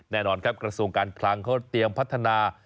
แน่นอนครับกระทรวงการคลังเขาเตรียมพัฒนา